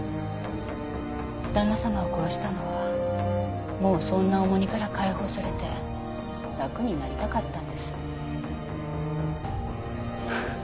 旦那様を殺したのはもうそんな重荷から解放されて楽になりたかったんです。